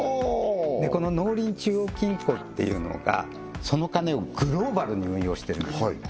この農林中央金庫っていうのがその金をグローバルに運用してるんですよ